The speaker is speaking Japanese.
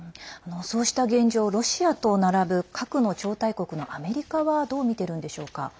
そうした現状をロシアと並ぶ核の超大国のアメリカはどう見てるんでしょうか？